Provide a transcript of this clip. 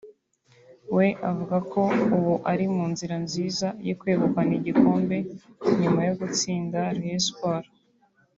we avuga ko ubu ari mu nzira nziza yo kwegukana igikombe nyuma yo gutsinda Rayon Sports